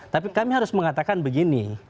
tapi kami harus mengatakan begini